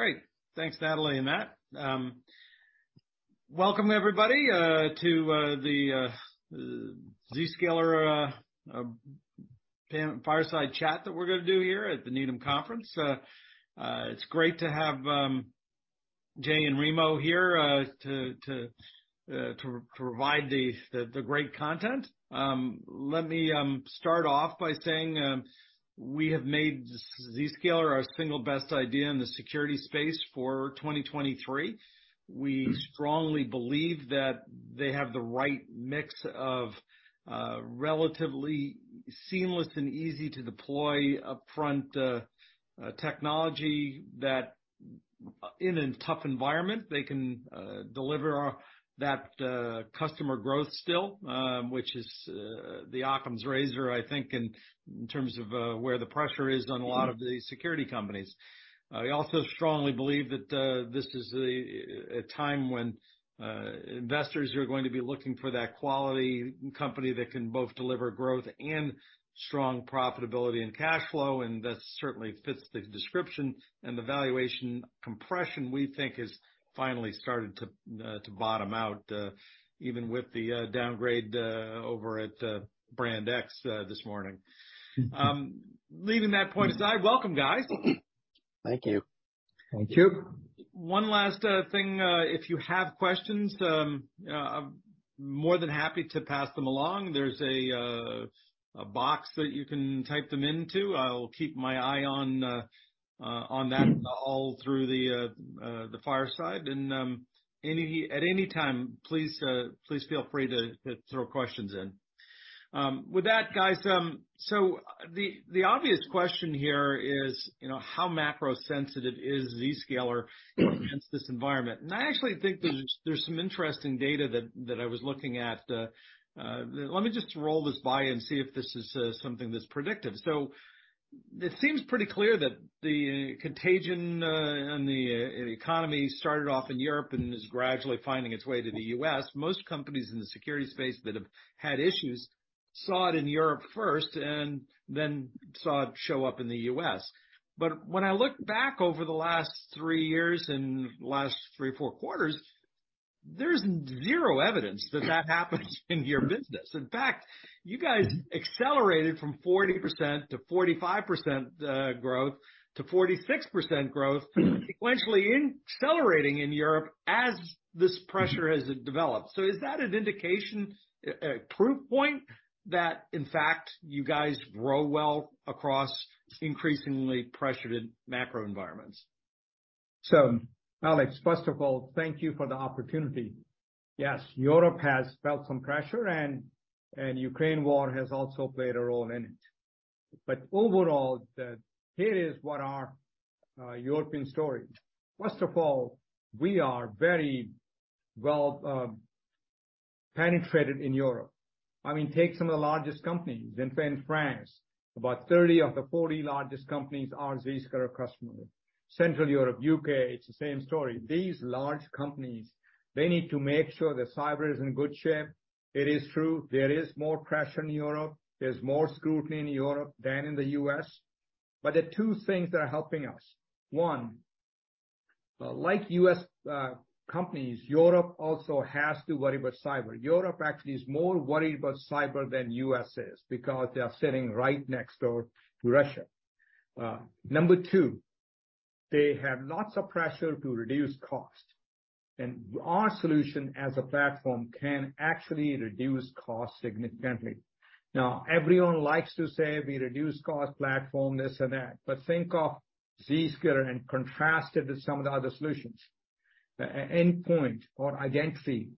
Great. Thanks, Natalie and Matt. Welcome everybody, the Zscaler fireside chat that we're gonna do here at the Needham Conference. It's great to have Jay and Remo here to provide the great content. Let me start off by saying, we have made Zscaler our single best idea in the security space for 2023. We strongly believe that they have the right mix of relatively seamless and easy to deploy upfront technology that in a tough environment, they can deliver that customer growth still, which is the Occam's razor, I think, in terms of where the pressure is on a lot of the security companies. I also strongly believe that this is a time when investors are going to be looking for that quality company that can both deliver growth and strong profitability and cash flow, and that certainly fits the description. The valuation compression, we think has finally started to bottom out, even with the downgrade over at brand X this morning. Leaving that point aside, welcome, guys. Thank you. Thank you. One last thing, if you have questions, I'm more than happy to pass them along. There's a box that you can type them into. I'll keep my eye on that all through the fireside. At any time, please feel free to throw questions in. With that, guys, the obvious question here is, you know, how macro-sensitive is Zscaler against this environment? I actually think there's some interesting data that I was looking at. Let me just roll this by and see if this is something that's predictive. It seems pretty clear that the contagion and the economy started off in Europe and is gradually finding its way to the US. Most companies in the security space that have had issues saw it in Europe first and then saw it show up in the U.S. When I look back over the last 3 years and last 3, 4 quarters, there's zero evidence that that happens in your business. In fact, you guys accelerated from 40% to 45% growth to 46% growth sequentially accelerating in Europe as this pressure has developed. Is that an indication, a proof point that in fact you guys grow well across increasingly pressured macro environments? Alex, first of all, thank you for the opportunity. Yes, Europe has felt some pressure and Ukraine war has also played a role in it. Overall, here is what our European story. First of all, we are very well penetrated in Europe. I mean, take some of the largest companies in France. About 30 of the 40 largest companies are Zscaler customers. Central Europe, UK, it's the same story. These large companies, they need to make sure that cyber is in good shape. It is true there is more pressure in Europe. There's more scrutiny in Europe than in the U.S. There are two things that are helping us. One, like U.S. companies, Europe also has to worry about cyber. Europe actually is more worried about cyber than U.S. is because they are sitting right next door to Russia. Number two, they have lots of pressure to reduce cost, and our solution as a platform can actually reduce cost significantly. Everyone likes to say we reduce cost platform, this and that, but think of Zscaler and contrast it to some of the other solutions. A endpoint or identity,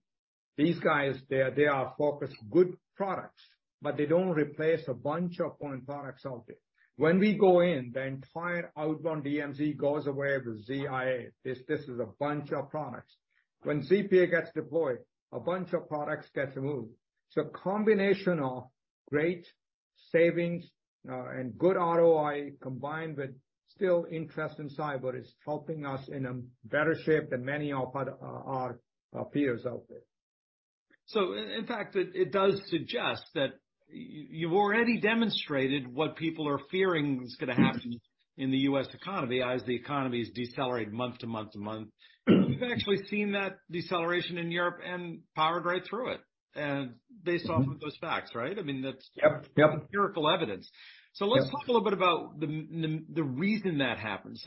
these guys, they are focused good products, but they don't replace a bunch of point products out there. When we go in, the entire outbound DMZ goes away with ZIA. This is a bunch of products. When ZPA gets deployed, a bunch of products get removed. Combination of great savings, and good ROI combined with still interest in cyber is helping us in a better shape than many of our peers out there. In fact, it does suggest that you've already demonstrated what people are fearing is gonna happen in the U.S. economy as the economy has decelerated month to month to month. You've actually seen that deceleration in Europe and powered right through it. Based off of those facts, right? I mean, that's. Yep, yep. Empirical evidence. Yeah. Let's talk a little bit about the reason that happened.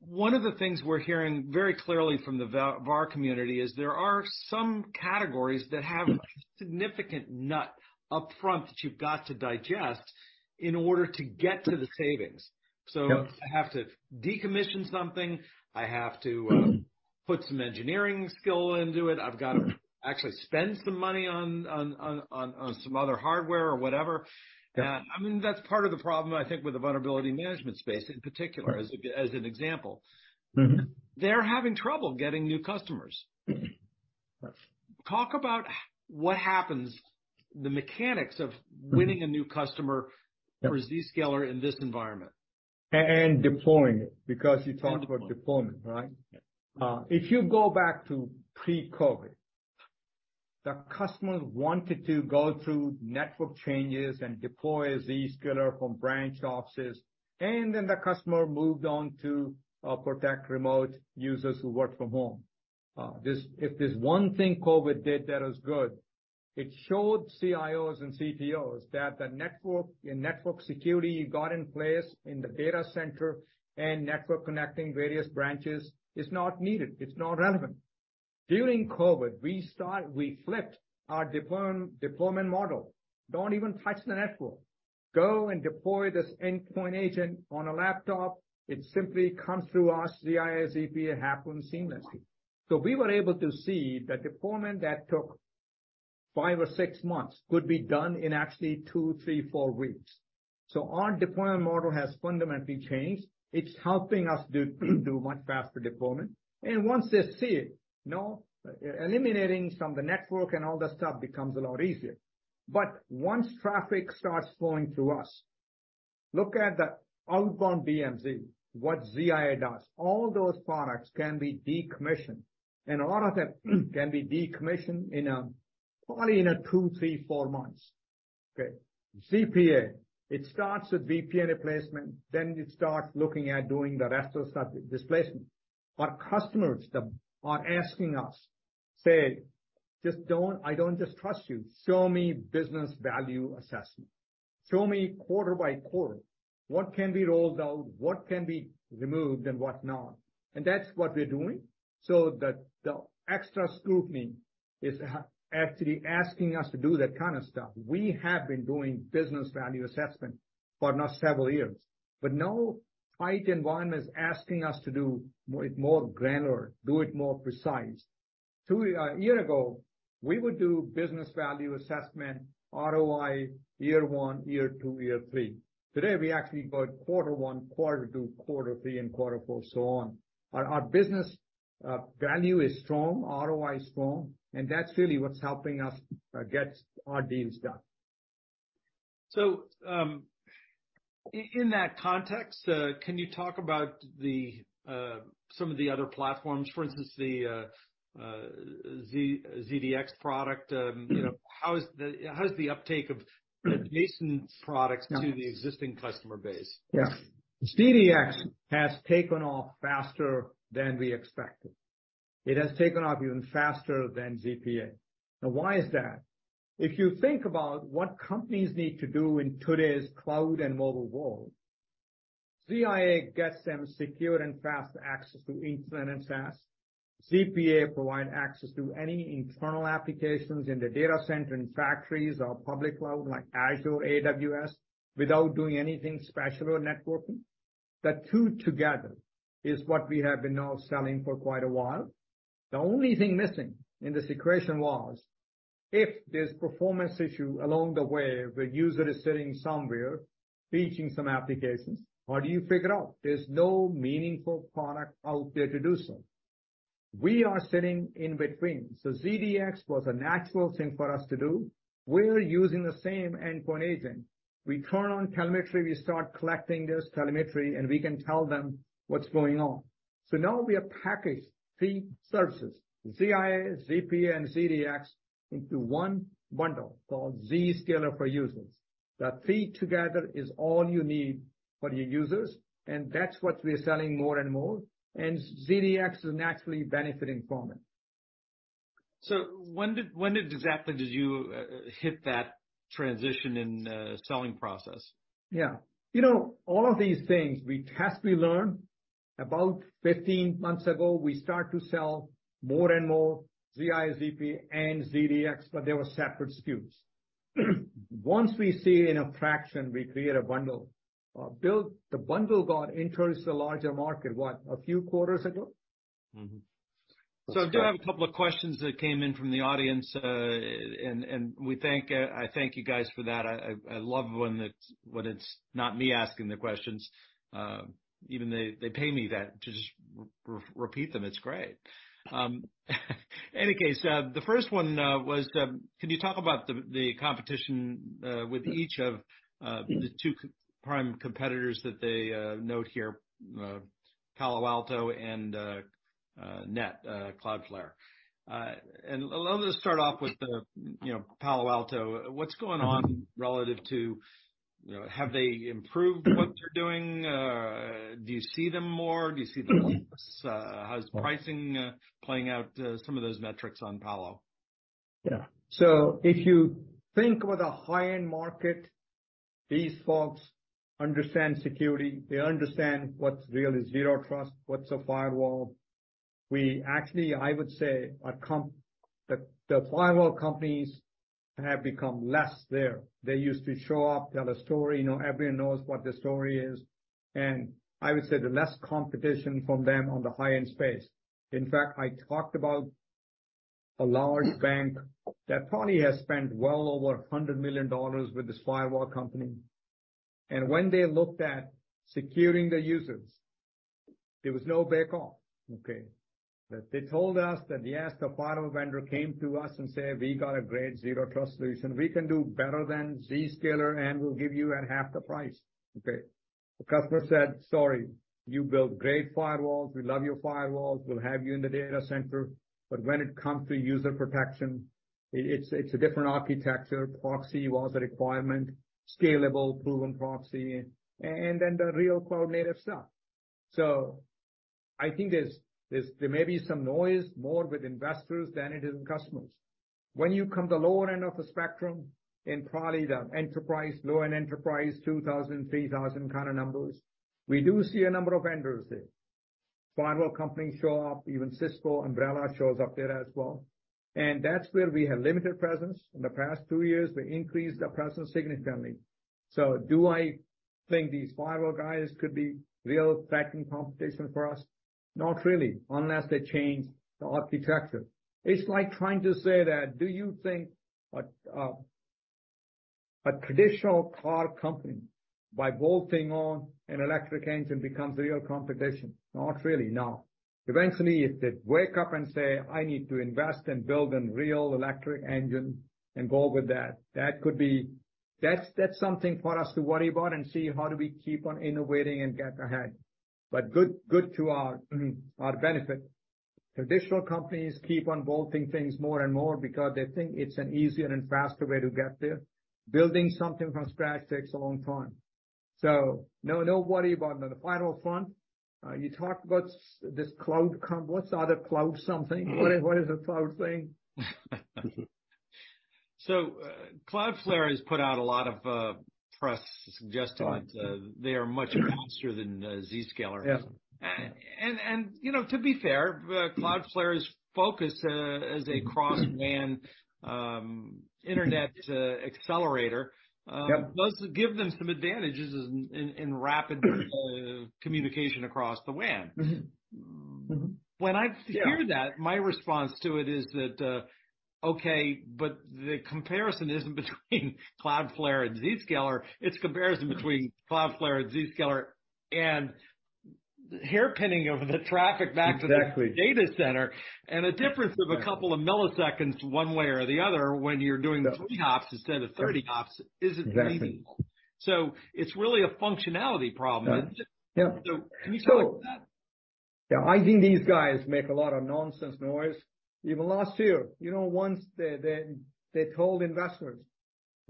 One of the things we're hearing very clearly from the VAR community is there are some categories that have a significant nut up front that you've got to digest in order to get to the savings. Yeah. I have to decommission something. I have to put some engineering skill into it. I've got to actually spend some money on some other hardware or whatever. Yeah. I mean, that's part of the problem, I think, with the vulnerability management space in particular, as an example. They're having trouble getting new customers. Yes. Talk about what happens, the mechanics of winning a new customer for Zscaler in this environment. deploying it, because you talked about deployment, right? Yeah. If you go back to pre-COVID. The customer wanted to go through network changes and deploy Zscaler from branch offices, and then the customer moved on to protect remote users who work from home. If there's one thing COVID did that was good, it showed CIOs and CTOs that the network security you got in place in the data center and network connecting various branches is not needed. It's not relevant. During COVID, we flipped our deployment model. Don't even touch the network. Go and deploy this endpoint agent on a laptop. It simply comes through our ZIASEP, it happens seamlessly. We were able to see the deployment that took five or six months could be done in actually two, three, four weeks. Our deployment model has fundamentally changed. It's helping us do much faster deployment. Once they see it, you know, eliminating some of the network and all that stuff becomes a lot easier. Once traffic starts flowing through us, look at the outbound DMZ, what ZIA does. All those products can be decommissioned, and a lot of them can be decommissioned in a 2, 3, 4 months. Okay. ZPA, it starts with VPN replacement, then it starts looking at doing the rest of that displacement. Customers that are asking us say, "I don't just trust you. Show me Business Value Assessment. Show me quarter-by-quarter what can be rolled out, what can be removed, and what not." That's what we're doing. The extra scrutiny is actually asking us to do that kind of stuff. We have been doing Business Value Assessment for now several years. Now IT environment is asking us to do it more granular, do it more precise. Two year ago, we would do Business Value Assessment, ROI year one, year two, year three. Today, we actually go quarter one, quarter two, quarter three, and quarter four, so on. Our business value is strong, ROI is strong, and that's really what's helping us get our deals done. In that context, can you talk about the some of the other platforms, for instance, the ZDX product? You know, how is the uptake of adjacent products to the existing customer base? Yeah. ZDX has taken off faster than we expected. It has taken off even faster than ZPA. Why is that? If you think about what companies need to do in today's cloud and mobile world, ZIA gets them secure and fast access to internet and SaaS. ZPA provide access to any internal applications in the data center, in factories or public cloud like Azure, AWS, without doing anything special or networking. The two together is what we have been now selling for quite a while. The only thing missing in this equation was if there's performance issue along the way, the user is sitting somewhere reaching some applications, how do you figure out? There's no meaningful product out there to do so. We are sitting in between. ZDX was a natural thing for us to do. We're using the same endpoint agent. We turn on telemetry, we start collecting this telemetry, and we can tell them what's going on. Now we have packaged three services, ZIA, ZPA, and ZDX into one bundle called Zscaler for Users. The three together is all you need for your users, and that's what we're selling more and more, and ZDX is naturally benefiting from it. When did, exactly did you hit that transition in selling process? Yeah. You know, all of these things we test, we learn. About 15 months ago, we start to sell more and more ZIA, ZPA, and ZDX, but they were separate SKUs. Once we see an attraction, we create a bundle. Bill, the bundle got introduced to the larger market, what, a few quarters ago? I do have a couple of questions that came in from the audience, and we thank, I thank you guys for that. I love when it's not me asking the questions, even they pay me that to just repeat them. It's great. Any case, the first one was, can you talk about the competition with each of the two prime competitors that they note here, Palo Alto and Cloudflare? Let me just start off with the, you know, Palo Alto. What's going on relative to, you know, have they improved what they're doing? Do you see them more? Do you see them less? How's pricing playing out, some of those metrics on Palo? If you think about the high-end market, these folks understand security. They understand what really Zero Trust, what's a firewall. We actually, I would say the firewall companies have become less there. They used to show up, tell a story. You know, everyone knows what the story is. I would say the less competition from them on the high-end space. In fact, I talked about a large bank that probably has spent well over $100 million with this firewall company. When they looked at securing the users, there was no back off, okay? They told us that, "Yes, the firewall vendor came to us and said we got a great Zero Trust solution. We can do better than Zscaler, and we'll give you at half the price." Okay? The customer said, "Sorry, you build great firewalls. We love your firewalls. We'll have you in the data center. When it comes to user protection, it's a different architecture. Proxy was a requirement, scalable, proven proxy, and then the real cloud-native stuff. I think there's some noise more with investors than it is with customers. When you come to the lower end of the spectrum in probably the enterprise, low-end enterprise, 2,000, 3,000 kind of numbers, we do see a number of vendors there. Firewall companies show up. Even Cisco Umbrella shows up there as well. That's where we have limited presence. In the past 2 years, we increased our presence significantly. Do I think these firewall guys could be real threatening competition for us? Not really, unless they change the architecture. It's like trying to say that, do you think a traditional car company by bolting on an electric engine becomes real competition? Not really, no. Eventually, if they wake up and say, "I need to invest and build a real electric engine," and go with that could be. That's something for us to worry about and see how do we keep on innovating and get ahead. Good to our benefit. Traditional companies keep on bolting things more and more because they think it's an easier and faster way to get there. Building something from scratch takes a long time. No worry about on the firewall front. You talked about this cloud what's the other cloud something? What is the cloud thing? Cloudflare has put out a lot of press suggesting that they are much faster than Zscaler. Yeah. you know, to be fair, Cloudflare's focus, as a cross-WAN, internet, accelerator- Yep. does give them some advantages in rapid communication across the WAN. When I hear that, my response to it is that, okay, but the comparison isn't between Cloudflare and Zscaler. It's a comparison between Cloudflare and Zscaler and hairpinning of the traffic. Exactly. to the data center. A difference of a couple of milliseconds one way or the other when you're doing three hops instead of 30 hops isn't meaningful. Exactly. It's really a functionality problem. Yeah. Can you talk to that? Yeah. I think these guys make a lot of nonsense noise. Even last year, you know, once they told investors,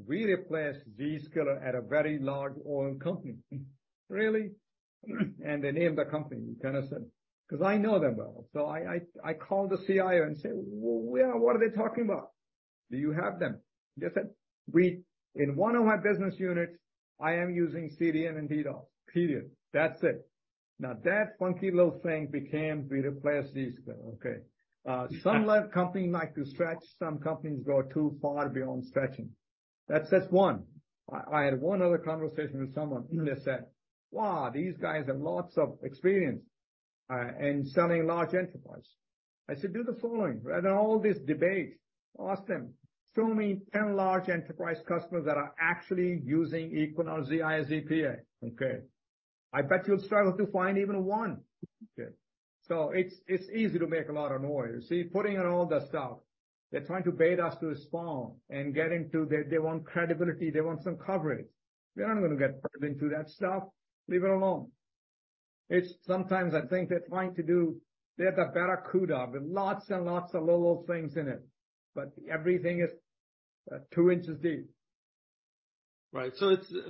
we replaced Zscaler at a very large oil company. Really? They named the company, you kind of said. 'Cause I know them well, so I called the CIO and said, "Well, yeah, what are they talking about? Do you have them?" He said, "In one of my business units, I am using CDN and DDoS, period. That's it." That funky little thing became, we replaced Zscaler, okay? Some love company like to stretch. Some companies go too far beyond stretching. That's just one. I had one other conversation with someone and they said, "Wow, these guys have lots of experience in selling large enterprise." I said, "Do the following. Rather than all this debate, ask them. Show me 10 large enterprise customers that are actually using Equinix ,ZIA ,ZPA, okay? I bet you'll struggle to find even one. Okay. It's easy to make a lot of noise. See, putting out all that stuff, they're trying to bait us to respond and get into the... They want credibility. They want some coverage. We're not gonna get pulled into that stuff. Leave it alone. It's sometimes I think they have the Barracuda with lots and lots of little things in it, but everything is two inches deep. Right.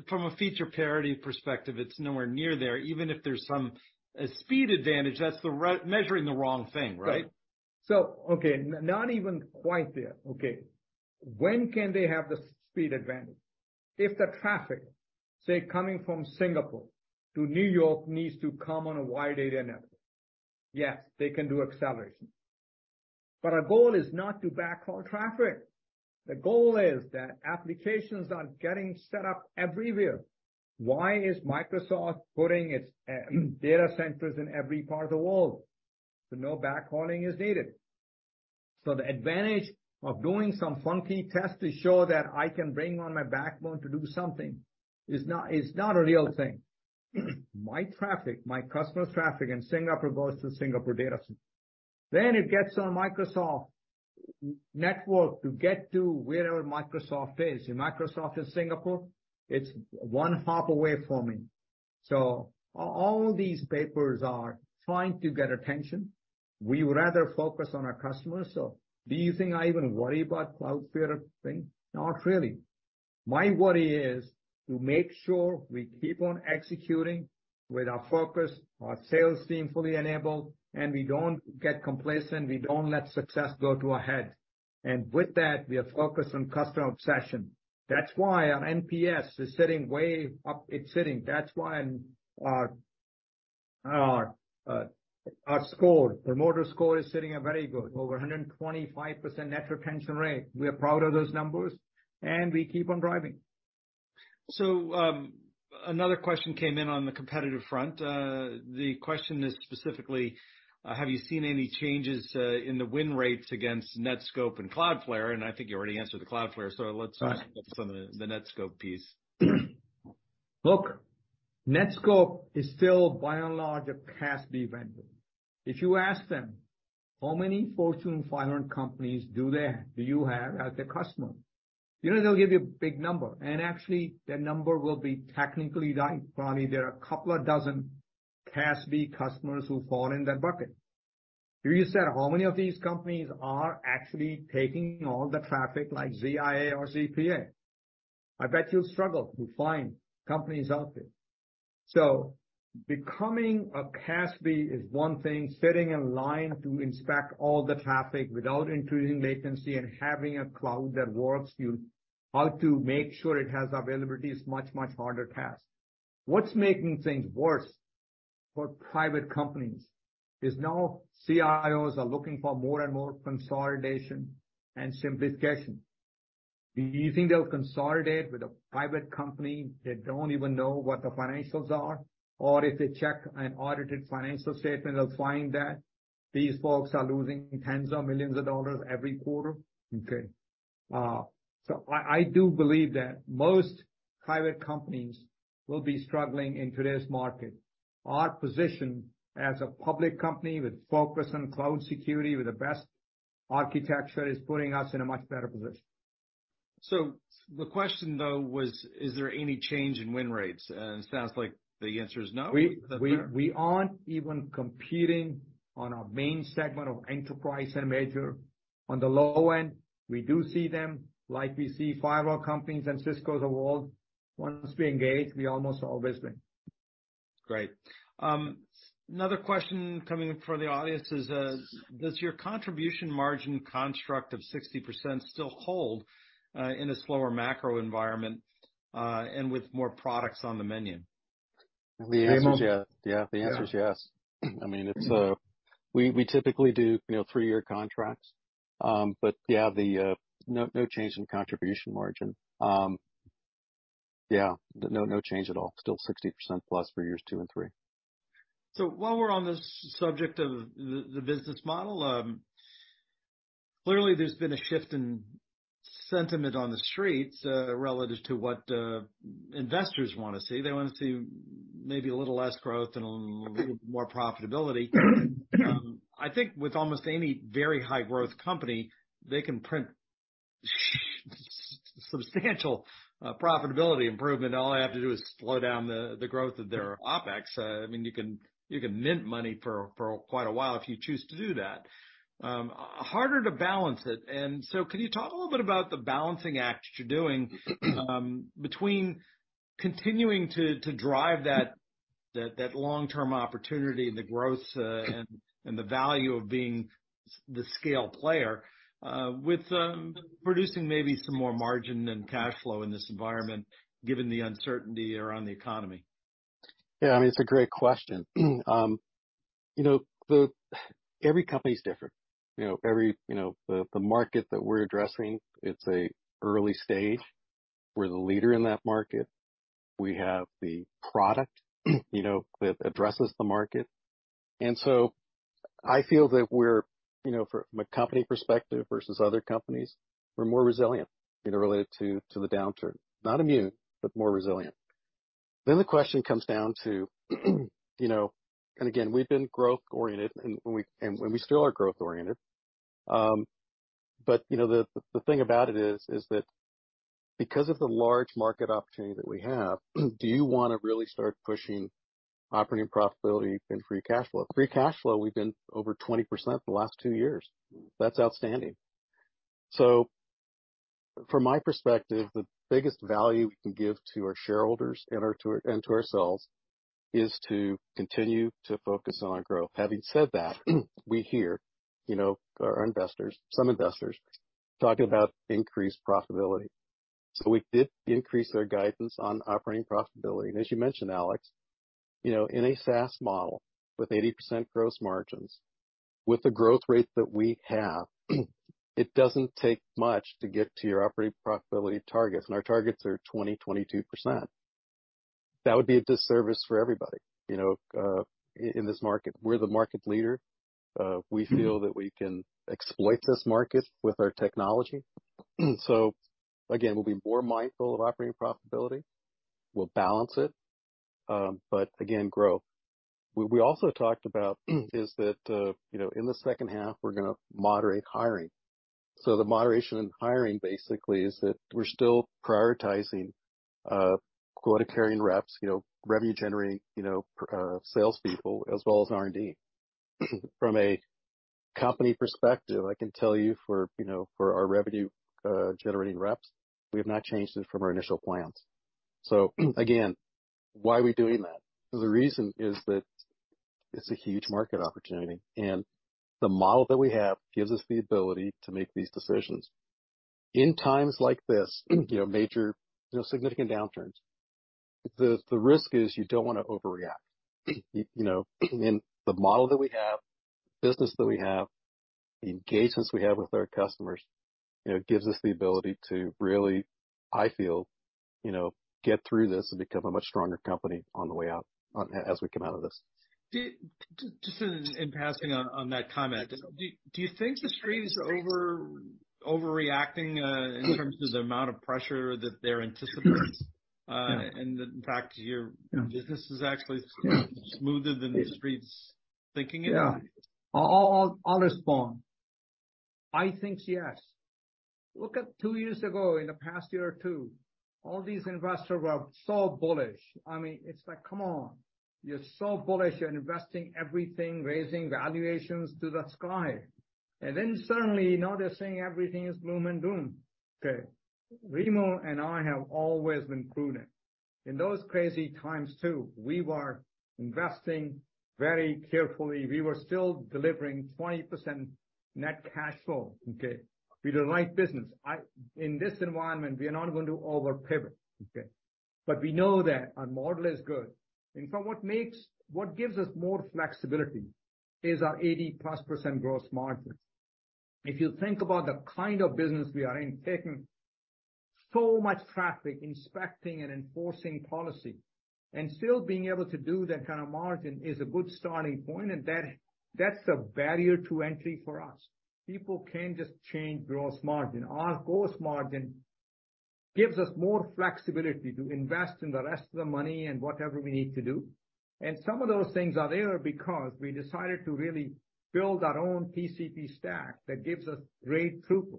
From a feature parity perspective, it's nowhere near there. Even if there's some speed advantage, that's measuring the wrong thing, right? Okay, not even quite there. Okay. When can they have the speed advantage? If the traffic, say, coming from Singapore to New York needs to come on a wide area network, yes, they can do acceleration. Our goal is not to backhaul traffic. The goal is that applications are getting set up everywhere. Why is Microsoft putting its data centers in every part of the world? No backhauling is needed. The advantage of doing some funky test to show that I can bring on my backbone to do something is not a real thing. My traffic, my customer's traffic in Singapore goes to Singapore data center. It gets on Microsoft network to get to wherever Microsoft is. If Microsoft is Singapore, it's one hop away from me. All these papers are trying to get attention. We rather focus on our customers. Do you think I even worry about Cloudflare thing? Not really. My worry is to make sure we keep on executing with our focus, our sales team fully enabled, and we don't get complacent, we don't let success go to our head. With that, we are focused on customer obsession. That's why our NPS is sitting way up. That's why our, our score, promoter score is sitting at very good, over 125% net retention rate. We are proud of those numbers, and we keep on driving. Another question came in on the competitive front. The question is specifically, have you seen any changes in the win rates against Netskope and Cloudflare? I think you already answered the Cloudflare. Right. focus on the Netskope piece. Look, Netskope is still by and large a CASB vendor. If you ask them how many Fortune 500 companies do you have as a customer? You know, they'll give you a big number, and actually that number will be technically right. Probably there are a couple of dozen CASB customers who fall in that bucket. You just said, how many of these companies are actually taking all the traffic like ZIA or ZPA? I bet you'll struggle to find companies out there. Becoming a CASB is one thing. Sitting in line to inspect all the traffic without increasing latency and having a cloud that works, how to make sure it has availability is much, much harder task. What's making things worse for private companies is now CIOs are looking for more and more consolidation and simplification. Do you think they'll consolidate with a private company they don't even know what the financials are? If they check an audited financial statement, they'll find that these folks are losing tens of millions of dollars every quarter. Okay. I do believe that most private companies will be struggling in today's market. Our position as a public company with focus on cloud security, with the best architecture, is putting us in a much better position. The question, though, was, is there any change in win rates? It sounds like the answer is no. We aren't even competing on our main segment of enterprise and major. On the low end, we do see them like we see firewall companies and Ciscos of the world. Once we engage, we almost always win. Great. Another question coming from the audience is, does your contribution margin construct of 60% still hold in a slower macro environment, and with more products on the menu? The answer is yeah. Yeah. The answer is yes. I mean, it's, we typically do you know 3-year contracts. Yeah, the, no change in contribution margin. Yeah, no change at all. Still 60%+ for years 2 and 3. While we're on this subject of the business model, clearly there's been a shift in sentiment on the streets, relative to what investors wanna see. They wanna see maybe a little less growth and a little more profitability. I think with almost any very high-growth company, they can print substantial profitability improvement. All they have to do is slow down the growth of their OpEx. I mean, you can, you can mint money for quite a while if you choose to do that. Harder to balance it. Can you talk a little bit about the balancing act you're doing, between continuing to drive that long-term opportunity and the growth, and the value of being the scale player, with producing maybe some more margin and cash flow in this environment, given the uncertainty around the economy? Yeah. I mean, it's a great question. You know, every company's different. You know, every, you know, the market that we're addressing, it's a early stage. We're the leader in that market. We have the product, you know, that addresses the market. I feel that we're, you know, from a company perspective versus other companies, we're more resilient, you know, related to the downturn. Not immune, but more resilient. The question comes down to, you know, and again, we've been growth-oriented and we still are growth-oriented. You know, the thing about it is that because of the large market opportunity that we have, do you wanna really start pushing operating profitability and free cash flow? Free cash flow, we've been over 20% for the last 2 years. That's outstanding. From my perspective, the biggest value we can give to our shareholders and to our, and to ourselves is to continue to focus on our growth. Having said that, we hear, you know, our investors, some investors talking about increased profitability. As you mentioned, Alex, you know, in a SaaS model with 80% gross margins, with the growth rate that we have, it doesn't take much to get to your operating profitability targets, and our targets are 20%-22%. That would be a disservice for everybody, you know, in this market. We're the market leader. We feel that we can exploit this market with our technology. Again, we'll be more mindful of operating profitability. We'll balance it, but again, grow. What we also talked about is that, you know, in the second half we're gonna moderate hiring. The moderation in hiring basically is that we're still prioritizing, quota-carrying reps, you know, revenue generating, you know, salespeople as well as R&D. From a company perspective, I can tell you for, you know, for our revenue, generating reps, we have not changed it from our initial plans. Again, why are we doing that? The reason is that it's a huge market opportunity, and the model that we have gives us the ability to make these decisions. In times like this, you know, major, you know, significant downturns, the risk is you don't wanna overreact. You know? The model that we have, the business that we have, the engagements we have with our customers, you know, gives us the ability to really, I feel, you know, get through this and become a much stronger company on the way out, as we come out of this. Just in passing on that comment, do you think the street is overreacting, in terms of the amount of pressure that they're anticipating? In fact, your business is actually smoother than the street's thinking it is. Yeah. I'll respond. I think yes. Look at 2 years ago, in the past year or 2, all these investors were so bullish. I mean, it's like, come on, you're so bullish, you're investing everything, raising valuations to the sky. Suddenly, you know, they're saying everything is boom and boom. Okay. Remo and I have always been prudent. In those crazy times too, we were investing very carefully. We were still delivering 20% net cash flow, okay? We do the right business. In this environment, we are not going to over-pivot, okay? We know that our model is good. In fact, what gives us more flexibility is our 80-plus% gross margin. If you think about the kind of business we are in, taking so much traffic, inspecting and enforcing policy, and still being able to do that kind of margin is a good starting point, that's a barrier to entry for us. People can't just change gross margin. Our gross margin gives us more flexibility to invest in the rest of the money and whatever we need to do. Some of those things are there because we decided to really build our own TCP stack that gives us great throughput.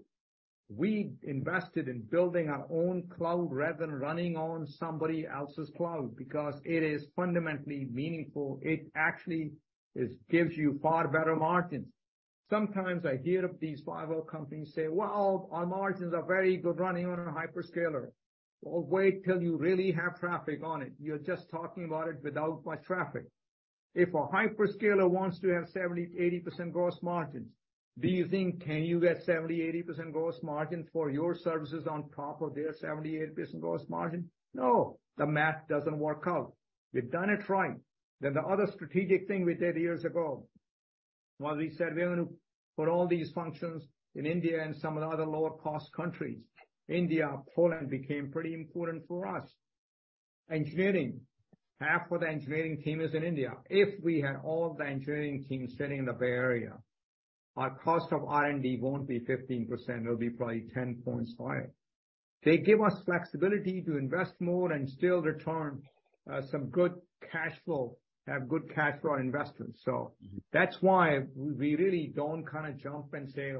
We invested in building our own cloud rather than running on somebody else's cloud because it is fundamentally meaningful. It actually gives you far better margins. Sometimes I hear these five-O companies say, "Well, our margins are very good running on a hyperscaler." Well, wait till you really have traffic on it. You're just talking about it without much traffic. If a hyperscaler wants to have 70%-80% gross margins, do you think can you get 70%-80% gross margins for your services on top of their 70%-80% gross margin? No, the math doesn't work out. We've done it right. The other strategic thing we did years ago was we said we're gonna put all these functions in India and some of the other lower cost countries. India, Poland became pretty important for us. Engineering. Half of the engineering team is in India. If we had all the engineering team sitting in the Bay Area, our cost of R&D won't be 15%, it'll be probably 10.5. They give us flexibility to invest more and still return some good cash flow, have good cash flow investments. That's why we really don't kinda jump and say,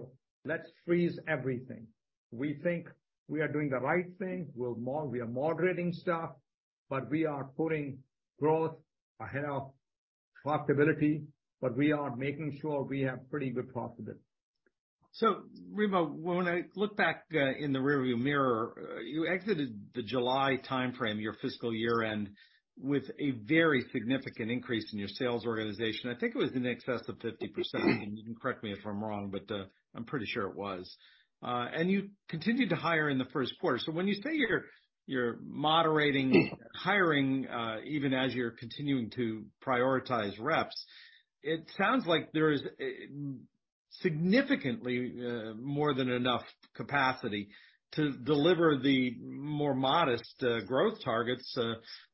"Let's freeze everything." We think we are doing the right thing. We are moderating stuff, but we are putting growth ahead of profitability, but we are making sure we have pretty good profitability. Remo, when I look back in the rearview mirror, you exited the July timeframe, your fiscal year-end, with a very significant increase in your sales organization. I think it was in excess of 50%. You can correct me if I'm wrong, but I'm pretty sure it was. You continued to hire in the Q1. When you say you're moderating hiring, even as you're continuing to prioritize reps, it sounds like there is significantly more than enough capacity to deliver the more modest growth targets,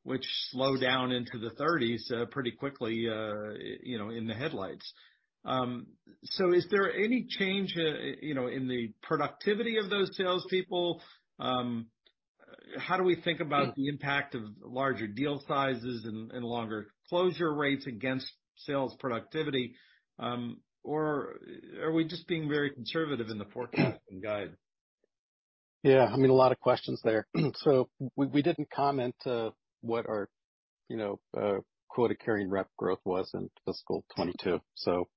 which slow down into the 30s pretty quickly, you know, in the headlights. Is there any change, you know, in the productivity of those salespeople? How do we think about the impact of larger deal sizes and longer closure rates against sales productivity? Are we just being very conservative in the forecasting guide? Yeah, I mean, a lot of questions there. We didn't comment, what our, you know, quota-carrying rep growth was in fiscal 2022.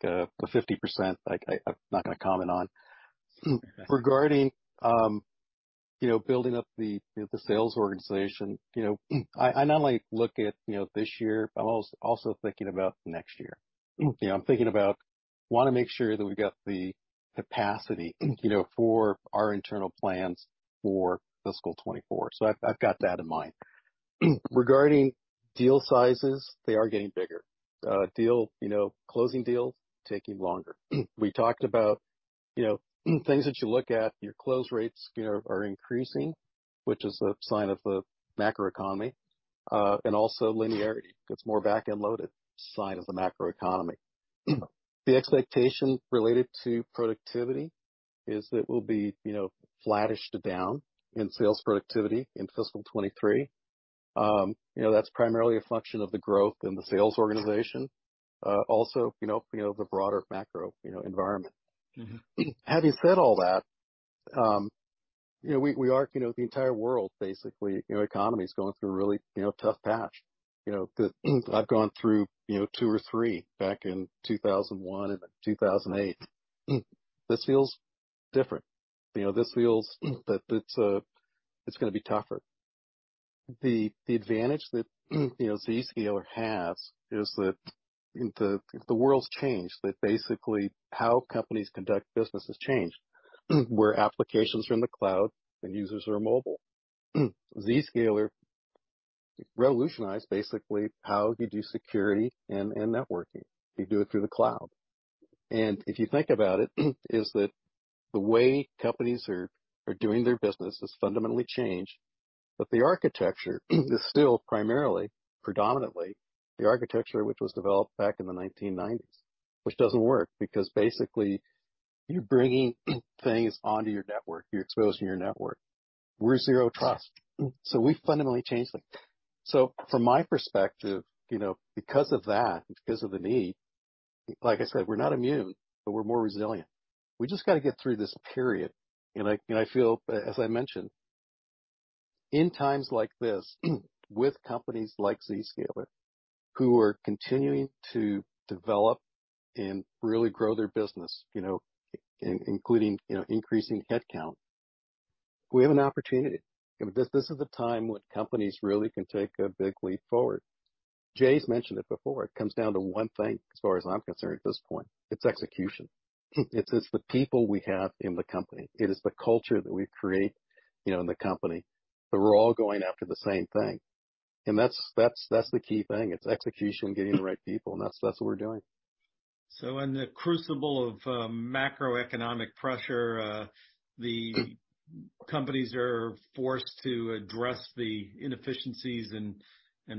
The 50%, I'm not gonna comment on. Regarding, you know, building up the, you know, the sales organization, you know, I not only look at, you know, this year, but I'm also thinking about next year. You know, I'm thinking about, wanna make sure that we've got the capacity, you know, for our internal plans for fiscal 2024. I've got that in mind. Regarding deal sizes, they are getting bigger. Deal, you know, closing deals taking longer. We talked about, you know, things that you look at, your close rates are increasing, which is a sign of the macroeconomy, and also linearity, gets more back-end loaded, sign of the macroeconomy. The expectation related to productivity is that we'll be, you know, flattish to down in sales productivity in fiscal 23. you know, that's primarily a function of the growth in the sales organization, also, you know, the broader macro, you know, environment. Having said all that, you know, we are, you know, the entire world, basically, you know, economy is going through a really, you know, tough patch. You know, I've gone through, you know, two or three back in 2001 and then 2008. This feels different. You know, this feels that it's gonna be tougher. The advantage that, you know, Zscaler has is that the world's changed, that basically how companies conduct business has changed, where applications are in the cloud and users are mobile. Zscaler revolutionized basically how you do security and networking. You do it through the cloud. If you think about it, is that the way companies are doing their business has fundamentally changed, but the architecture is still primarily, predominantly, the architecture which was developed back in the 1990s, which doesn't work because basically. You're bringing things onto your network, you're exposing your network. We're Zero Trust, we fundamentally changed it. From my perspective, you know, because of that, because of the need, like I said, we're not immune, but we're more resilient. We just got to get through this period. I feel, as I mentioned, in times like this, with companies like Zscaler, who are continuing to develop and really grow their business, you know, including, you know, increasing headcount, we have an opportunity. This is a time when companies really can take a big leap forward. Jay's mentioned it before. It comes down to one thing as far as I'm concerned at this point, it's execution. It's the people we have in the company. It is the culture that we create, you know, in the company, that we're all going after the same thing. That's the key thing. It's execution, getting the right people, and that's what we're doing. In the crucible of macroeconomic pressure, the companies are forced to address the inefficiencies and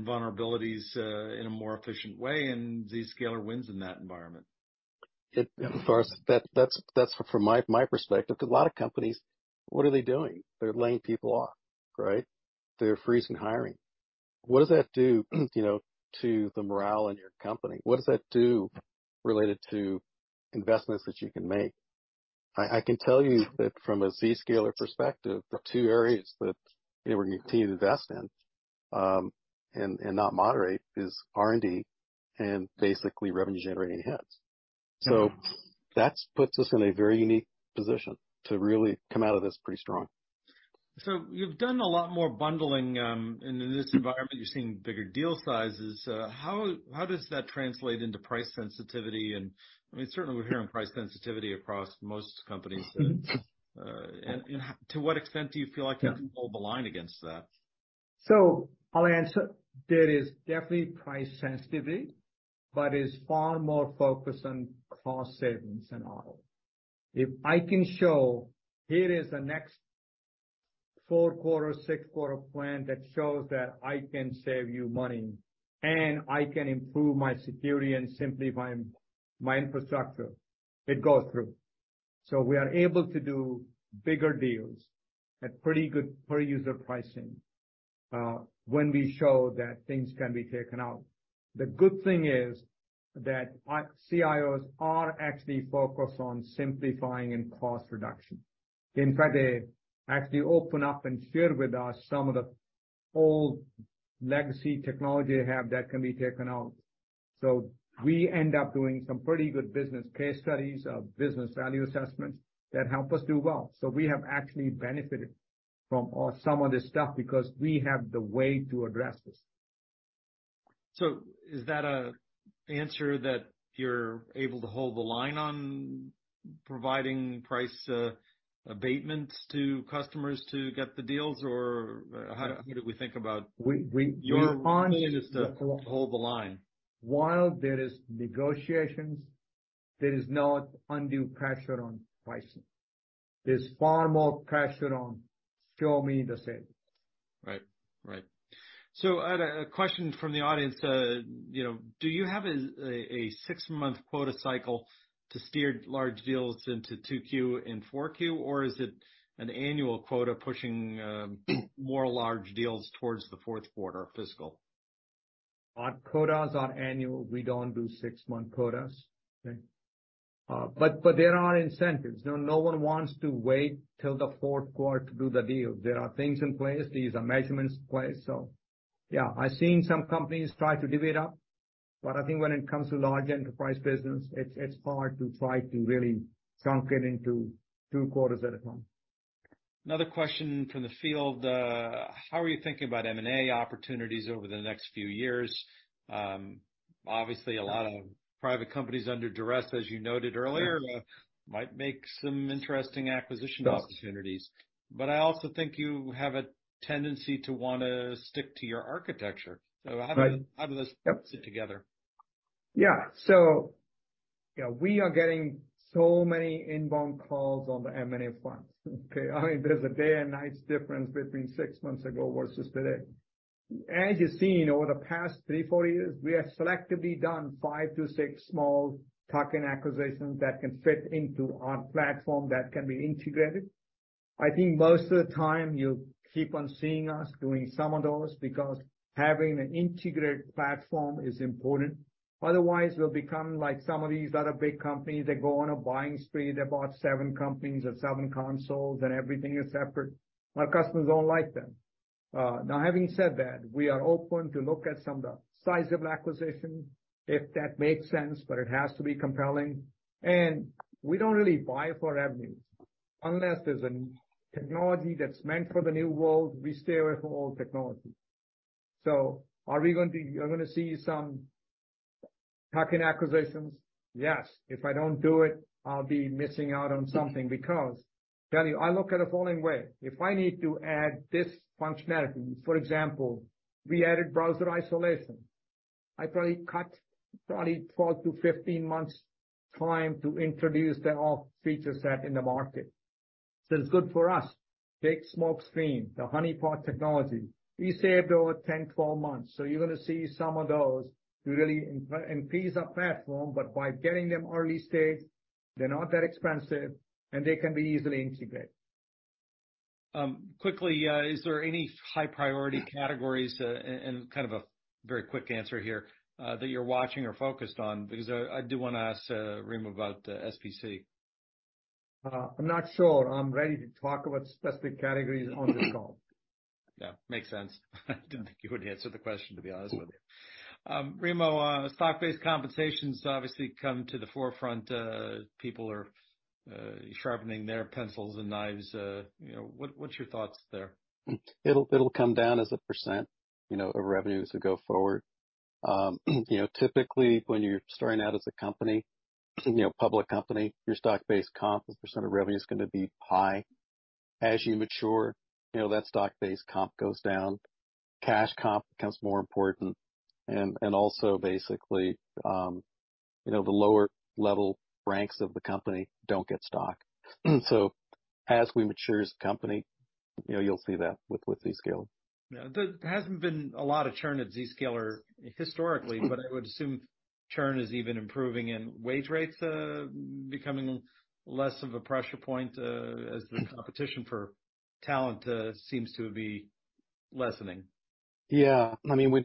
vulnerabilities in a more efficient way, and Zscaler wins in that environment. That's from my perspective, 'cause a lot of companies, what are they doing? They're laying people off, right? They're freezing hiring. What does that do, you know, to the morale in your company? What does that do related to investments that you can make? I can tell you that from a Zscaler perspective, the two areas that, you know, we continue to invest in and not moderate is R&D and basically revenue generating hits. That's puts us in a very unique position to really come out of this pretty strong. You've done a lot more bundling, and in this environment, you're seeing bigger deal sizes. How does that translate into price sensitivity? I mean, certainly we're hearing price sensitivity across most companies. To what extent do you feel like you can hold the line against that? I'll answer. There is definitely price sensitivity, but is far more focused on cost savings than all. If I can show here is the next four-quarter, six-quarter plan that shows that I can save you money and I can improve my security and simplify my infrastructure, it goes through. We are able to do bigger deals at pretty good per-user pricing when we show that things can be taken out. The good thing is that our CIOs are actually focused on simplifying and cost reduction. In fact, they actually open up and share with us some of the old legacy technology they have that can be taken out. We end up doing some pretty good business case studies of Business Value Assessments that help us do well. We have actually benefited from some of this stuff because we have the way to address this. Is that a answer that you're able to hold the line on providing price abatements to customers to get the deals? How do we think about? We. Your ability just to hold the line. While there is negotiations, there is no undue pressure on pricing. There's far more pressure on show me the savings. Right. Right. I had a question from the audience. you know, do you have a 6-month quota cycle to steer large deals into 2Q and 4Q? Is it an annual quota pushing more large deals towards the Q4 fiscal? Our quotas are annual. We don't do 6-month quotas. Okay. There are incentives. No one wants to wait till the Q4 to do the deal. There are things in place. These are measurements in place. Yeah, I've seen some companies try to divvy it up, but I think when it comes to large enterprise business, it's hard to try to really chunk it into 2 quarters at a time. Another question from the field, how are you thinking about M&A opportunities over the next few years? Obviously a lot of private companies under duress, as you noted earlier, might make some interesting acquisition opportunities. I also think you have a tendency to wanna stick to your architecture. Right. How do those sit together? We are getting so many inbound calls on the M&A fronts. Okay. I mean, there's a day and night difference between six months ago versus today. As you've seen over the past three, four years, we have selectively done five to six small tuck-in acquisitions that can fit into our platform, that can be integrated. I think most of the time you'll keep on seeing us doing some of those because having an integrated platform is important. Otherwise, we'll become like some of these other big companies that go on a buying spree. They bought seven companies or seven consoles, everything is separate. Our customers don't like that. Now having said that, we are open to look at some of the sizable acquisition, if that makes sense, but it has to be compelling. We don't really buy for revenues. Unless there's a technology that's meant for the new world, we stay away from old technology. Are we going to-- you're gonna see some tuck-in acquisitions? Yes. If I don't do it, I'll be missing out on something because, tell you, I look at it the following way. If I need to add this functionality, for example, we added browser isolation. I probably cut probably 12 to 15 months time to introduce that off feature set in the market. It's good for us. Big smokescreen, the honeypot technology. We saved over 10, 12 months. You're gonna see some of those really increase our platform, but by getting them early stage, they're not that expensive, and they can be easily integrated. Quickly, is there any high priority categories, and kind of a very quick answer here, that you're watching or focused on? I do wanna ask, Remo about SBC. I'm not sure I'm ready to talk about specific categories on this call. Yeah, makes sense. Didn't think you would answer the question, to be honest with you. Remo, stock-based compensations obviously come to the forefront. People are sharpening their pencils and knives. You know, what's your thoughts there? It'll come down as a %, you know, of revenue to go forward. you know, typically, when you're starting out as a company, you know, public company, your stock-based comp as a % of revenue is gonna be high. As you mature, you know, that stock-based comp goes down. Cash comp becomes more important. Also basically, you know, the lower level ranks of the company don't get stock. As we mature as a company, you know, you'll see that with Zscaler. Yeah. There hasn't been a lot of churn at Zscaler historically, but I would assume churn is even improving and wage rates becoming less of a pressure point as the competition for talent seems to be lessening. Yeah. I mean,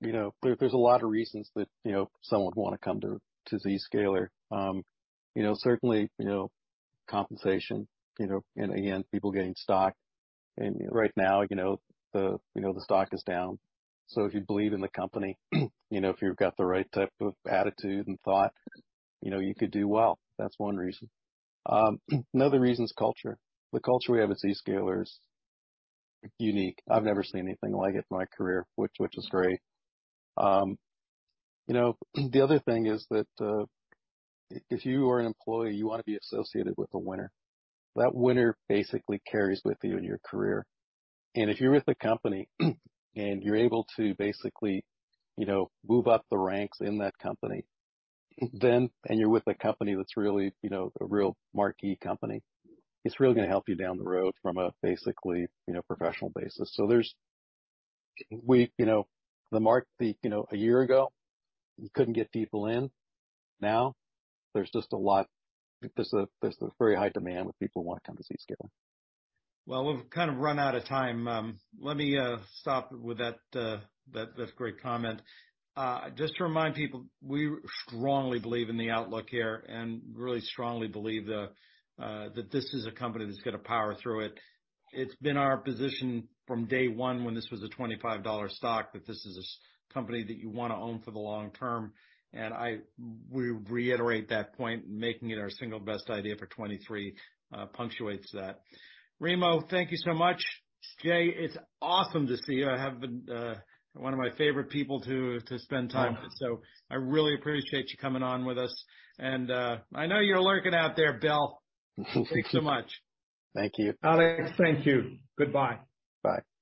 you know, there's a lot of reasons that, you know, someone would wanna come to Zscaler. You know, certainly, you know, compensation, you know, and again, people getting stock. Right now, you know, the stock is down. If you believe in the company, you know, if you've got the right type of attitude and thought, you know, you could do well. That's one reason. Another reason is culture. The culture we have at Zscaler is unique. I've never seen anything like it in my career, which is great. You know, the other thing is that, if you are an employee, you wanna be associated with a winner. That winner basically carries with you in your career. If you're with a company and you're able to basically, you know, move up the ranks in that company, then, and you're with a company that's really, you know, a real marquee company, it's really gonna help you down the road from a basically, you know, professional basis. There's You know, the, you know, a year ago, you couldn't get people in. Now, there's just a lot, there's a very high demand with people who wanna come to Zscaler. Well, we've kind of run out of time. Let me stop with that great comment. Just to remind people, we strongly believe in the outlook here and really strongly believe that this is a company that's gonna power through it. It's been our position from day one when this was a $25 stock, that this is a company that you wanna own for the long term. We reiterate that point, making it our single best idea for 2023, punctuates that. Remo, thank you so much. Jay, it's awesome to see you. I have been one of my favorite people to spend time with. So I really appreciate you coming on with us. I know you're lurking out there, Bill. Thank you. Thanks so much. Thank you. Alex, thank you. Goodbye. Bye.